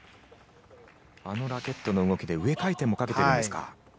あのラケットの動きで上回転もかけてるんですか。